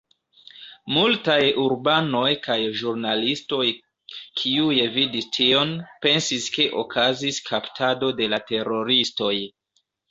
Multaj urbanoj kaj ĵurnalistoj, kiuj vidis tion, pensis ke okazis kaptado de la teroristoj.